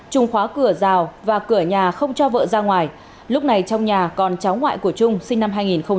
trung khóa cửa rào và cửa nhà không cho vợ ra ngoài lúc này trong nhà còn cháu ngoại của trung sinh năm hai nghìn một mươi